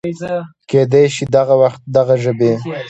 کېدی شي چې دغه وخت دغه ژبې